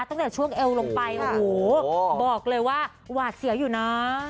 ตั้งแต่ช่วงเอวลงไปโอ้โหบอกเลยว่าหวาดเสียวอยู่นะ